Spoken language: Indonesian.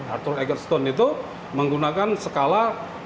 arthur eggstone itu menggunakan skala